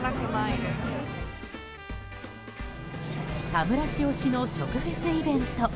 田村市推しの食フェスイベント。